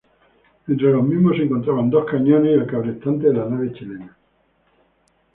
Entre los mismos se encontraban dos cañones y el cabrestante de la nave chilena.